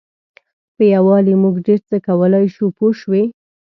په یووالي موږ ډېر څه کولای شو پوه شوې!.